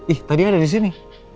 ih tadi ada disini